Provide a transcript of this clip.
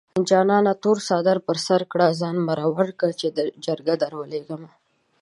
جانانه تور څادر په سر کړه ځان مرور کړه چې جرګه دروليږمه